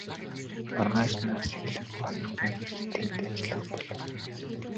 Маргаашаас нь эхлэн хоёр хүн ирж тэнд ажиллах болов.